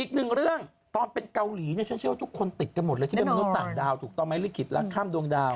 อีกหนึ่งเรื่องตอนเป็นเกาหลีเนี่ยฉันเชื่อว่าทุกคนติดกันหมดเลยที่เป็นมนุษย์ต่างดาวถูกต้องไหมลิขิตรักข้ามดวงดาว